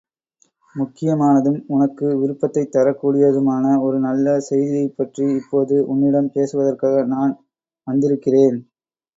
முக்கியமானதும் உனக்கு விருப்பத்தைத் தரக் கூடியதுமான ஒரு நல்ல செய்தியைப் பற்றி இப்போது உன்னிடம் பேசுவதற்காக நான் வந்திருக்கிறேன்.